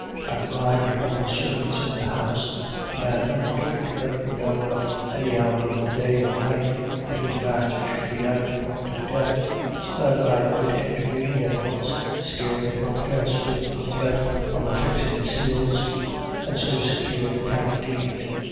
I bribed one of the servants in the house the man undertook to let me know at any hour of the day or night if his master should be at the point of death, so that I could intervene at once, scare the Countess with a threat of affixing seals, and so secure the counter deed.